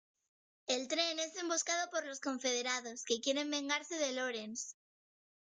El tren es emboscado por los Confederados, que quieren vengarse de Lawrence.